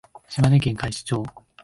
島根県海士町